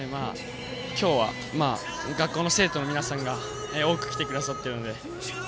今日は学校の生徒の皆さんが多く来てくださっているので。